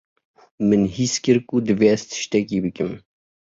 Min his kir ku divê ez tiştekî bikim.